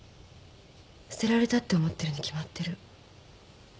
捨てられたって思ってるに決まってる。